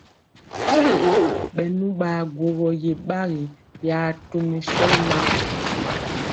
Bɛnu baguɔgo ye gbagi ya tɔmɛ shóli maa.